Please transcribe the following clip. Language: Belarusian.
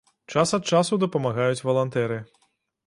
Час ад часу дапамагаюць валантэры.